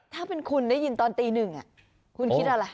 ถ้าเป็นคุณได้ยินตอนตีหนึ่งคุณคิดอะไร